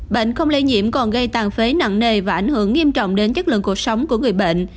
bệnh không lây nhiễm còn gây tàn phế nặng nề và ảnh hưởng nghiêm trọng đến chất lượng cuộc sống của người bệnh